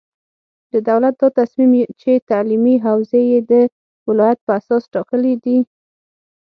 د دولت دا تصمیم چې تعلیمي حوزې یې د ولایت په اساس ټاکلې دي،